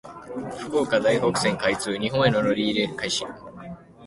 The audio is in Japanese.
福岡・台北線開設。日本への乗り入れ開始。